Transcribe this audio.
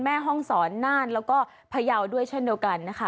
แม่ห้องศรน่านแล้วก็พยาวด้วยเช่นเดียวกันนะคะ